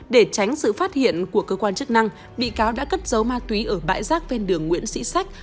để tránh sự phát hiện của cơ quan chức năng bị cáo đã cất giấu ma túy ở bãi rác ven đường nguyễn sĩ sách